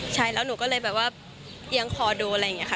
ใช่แล้วหนูก็เลยแบบว่าเอียงคอดูอะไรอย่างนี้ค่ะ